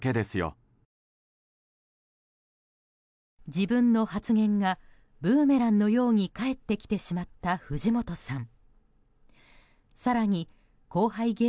自分の発言がブーメランのように返ってきてしまった藤本さん。